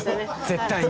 絶対に！